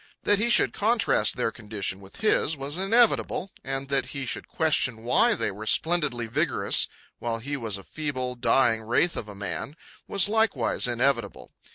That he should contrast their condition with his was inevitable; and that he should question why they were splendidly vigorous while he was a feeble, dying wraith of a man, was likewise inevitable.